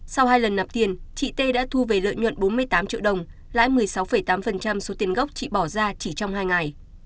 sau hai lần nạp tiền chị t đã thu về lợi nhuận bốn mươi tám triệu đồng lãi một mươi sáu tám số tiền gốc chị bỏ ra chỉ trong hai ngày